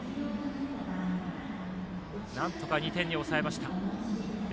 なんとか２点に抑えました。